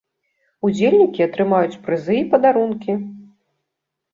Удзельнікі атрымаюць прызы і падарункі.